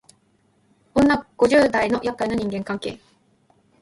女五十代のやっかいな人間関係